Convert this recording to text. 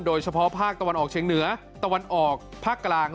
โดยเฉพาะภาคตะวันออกเชียงเหนือตะวันออกภาคกลาง